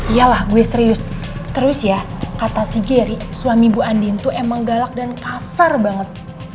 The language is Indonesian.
iyalah gue serius terus ya kata si jerry suami bu andin tuh emang galak dan kasar banget